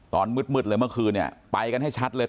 ตอนมืดเลยเมื่อคืนเนี่ยไปกันให้ชัดเลย